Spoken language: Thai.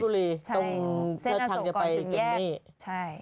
ตรงเทอร์ทังจะไปแยก